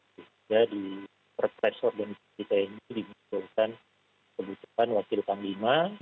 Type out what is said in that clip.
sehingga diperpes organisasi tni dibutuhkan kebutuhan wakil panglima